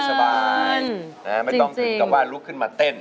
ไม่ต้องถึงกับว่าลุกขึ้นมาเต้น